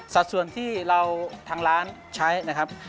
สัดส่วนที่เราทางร้านใช้นะครับ